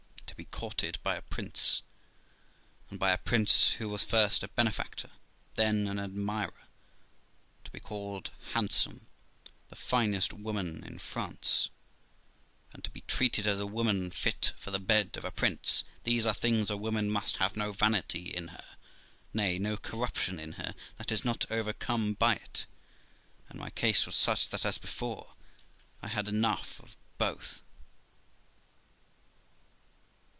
To be courted by a prince, and by a prince who was first a benefactor, then an admirer; to be called hand some, the finest woman in France, and to be treated as a woman fit for the bed of a prince these are things a woman must have no vanity in her, nay, no corruption in her, that is not overcome by it; and my case was such that, as before, I had enough of both.